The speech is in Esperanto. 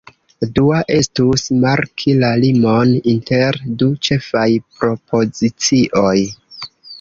Dua estus marki la limon inter du ĉefaj propozicioj.